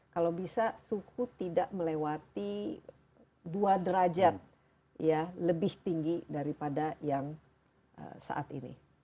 kalau bisa suhu tidak melewati dua derajat lebih tinggi daripada yang saat ini